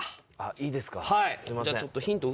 いいですか。